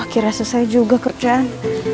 akhirnya selesai juga kerjaan